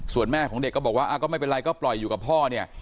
ส่วนแม่ของเด็กก็บอกว่าก็ไม่เป็นไรก็ปล่อยอยู่กับพ่อเนี่ย